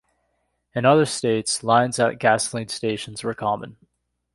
In other states, lines at gasoline stations were common.